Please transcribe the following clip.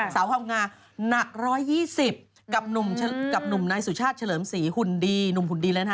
สาวเข้างาหนัก๑๒๐กับหนุ่มนายสุชาติเฉลิมสีหนุ่มหุ่นดีนะฮะ